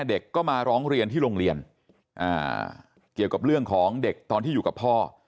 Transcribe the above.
เด็กก็มาร้องเรียนที่โรงเรียนเกี่ยวกับเรื่องของเด็กตอนที่อยู่กับพ่อ